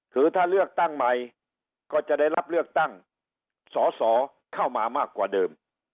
คือถ้าเลือกตั้งใหม่ก็จะได้รับเลือกตั้งสอสอเข้ามามากกว่าเดิม